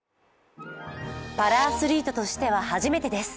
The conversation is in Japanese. パラアスリートとしては初めてです。